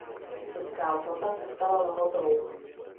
Česká Lhota se stala Lhotou.